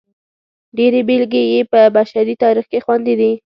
ډېرې بېلګې یې په بشري تاریخ کې خوندي دي.